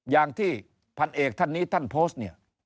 อย่างที่พันเอกท่านนี้ท่านโพสต์เนี่ย